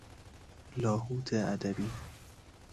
لاهوت ادبی